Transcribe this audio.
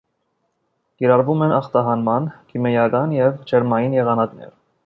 Կիրառվում են ախտահանման քիմիական և ջերմային եղանակներ։